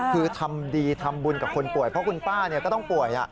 คือทำดีทำบุญกับคนป่วยเพราะคุณป้าก็ต้องป่วย